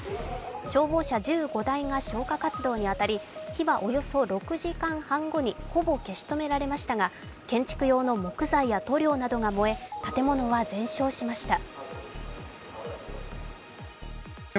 消防車１５台が消火活動に当たり火はおよそ６時間半後にほぼ消し止められましたが建築用の木材や塗料などが燃え、建物は全焼しました。